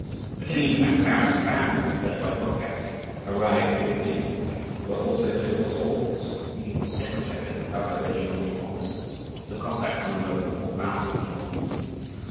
But in the meantime Taras's band, led by Tovkatch, arrived; with him were also two osauls, the secretary, and other regimental officers: the Cossacks numbered over four thousand in all.